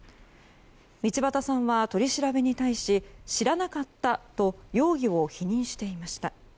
道端さんは取り調べに対し知らなかったと容疑を否認していました。